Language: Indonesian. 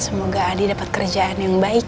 semoga adi dapat kerjaan yang baik